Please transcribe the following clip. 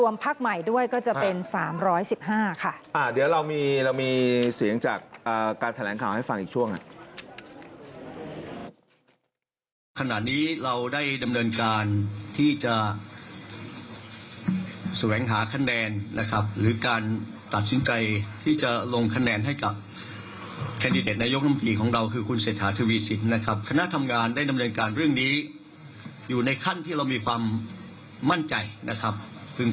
มีเสียงจากการแถลงข่าวให้ฟังอีกช่วง